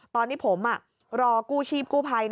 ตอนที่ผมรอกู้ชีพกู้ภัย